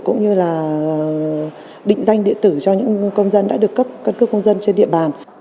cũng như là định danh điện tử cho những công dân đã được cấp căn cước công dân trên địa bàn